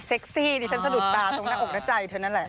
ซี่ดิฉันสะดุดตาตรงหน้าอกหน้าใจเธอนั่นแหละ